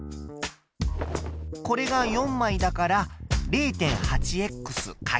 これが４枚だから０．８×４。